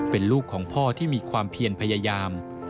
เป็นลูกของพ่อที่มีความเพียรพยายาม